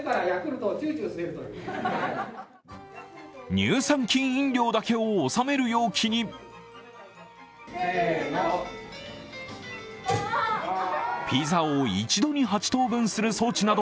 乳酸菌飲料だけを収める容器にピザを一度に８等分する装置など、